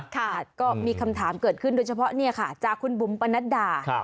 ค่ะก็มีคำถามเกิดขึ้นโดยเฉพาะเนี่ยค่ะจากคุณบุ๋มปนัดดา